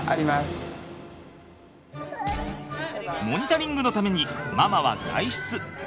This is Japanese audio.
モニタリングのためにママは外出。